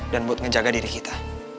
dan buat ngejaga diri kita